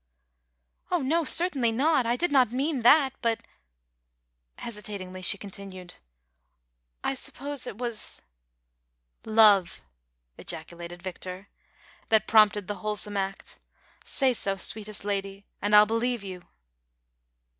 "Oh, no! certainly not, I did not mean that, but" — hesitatingly she continued —" I sup pose it was "— "Love," ejaculated Victor, "that prompted the Avhole some act ; say so, sweetest lady, and I'll believe you